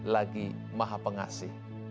lagi maha pengasih